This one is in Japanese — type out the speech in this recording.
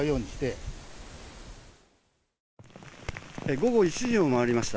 午後１時を回りました。